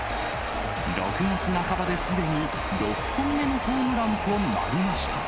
６月半ばですでに６本目のホームランとなりました。